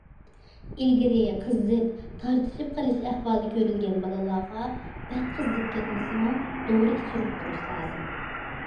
ئىلگىرى قىزىپ تارتىشىپ قېلىش ئەھۋالى كۆرۈلگەن بالىلارغا بەك قىزىپ كەتمىسىمۇ دورا ئىچۈرۈپ تۇرۇش لازىم.